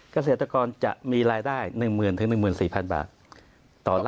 เกษตรกรจะมีรายได้๑๐๐๐๐๑๔๐๐๐บาท